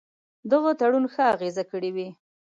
دغه تړون ښه اغېزه کړې وي.